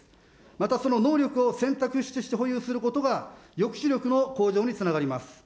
またその能力を選択肢として保有することが抑止力の向上につながります。